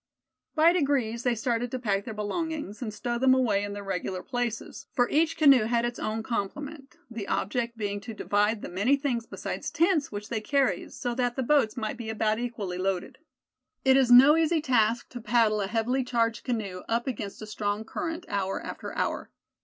By degrees they started to pack their belongings, and stow them away in their regular places; for each canoe had its own complement, the object being to divide the many things besides tents which they carried, so that the boats might be about equally loaded. It is no easy task to paddle a heavily charged canoe up against a strong current, hour after hour.